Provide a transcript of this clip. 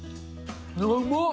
うまっ。